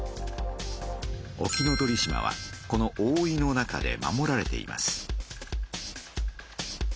沖ノ鳥島はこのおおいの中で守られています。